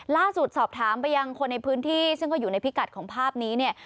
ล่าสุดสอบถามไปยังคนในพื้นที่ซึ่งก็อยู่ในพิกัดของภาพนี้เนี่ย